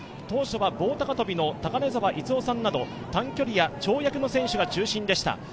当初は棒高跳びの高根沢さんなど短距離や跳躍の選手が中心でした。